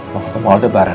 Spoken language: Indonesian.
mau ketemu aldebaran